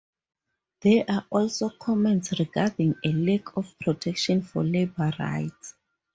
There are also comments regarding a lack of protection for labour rights.